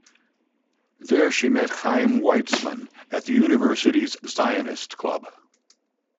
There she met Chaim Weizmann at the University's Zionist Club.